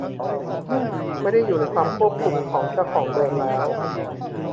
ไม่ได้อยู่ในความควบคุมของเจ้าของเดิมแล้ว